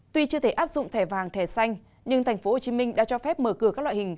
tuy chưa thể áp dụng thẻ vàng thẻ xanh nhưng tp hcm đã cho phép mở cửa các loại hình